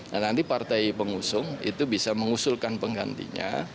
dan nanti partai pengusung itu bisa mengusulkan penggantinya